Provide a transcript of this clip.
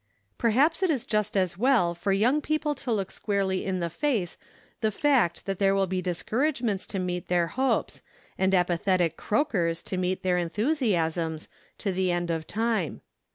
Perhaps it is just as well for young people to look squarely in the face the fact that there will be discouragements to meet their hopes, and apathetic croakers to meet their enthusiasms, to the end of time.